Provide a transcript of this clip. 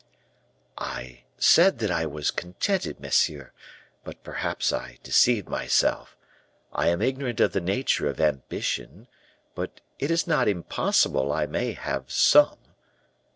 "I said that I was contented, monsieur; but, perhaps, I deceive myself. I am ignorant of the nature of ambition; but it is not impossible I may have some.